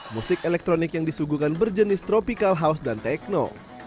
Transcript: musik elektronik yang disuguhkan berjenis tropical house dan tekno